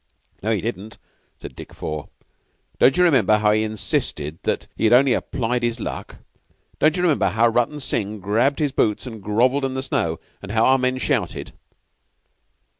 "No, he didn't," said Dick Four. "Don't you remember how he insisted that he had only applied his luck? Don't you remember how Rutton Singh grabbed his boots and grovelled in the snow, and how our men shouted?"